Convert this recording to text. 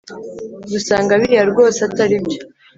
dusanga biriya rwose atari byo